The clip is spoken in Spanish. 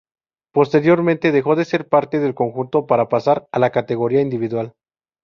Posteriormente, dejó de ser parte del conjunto para pasar a la categoría individual.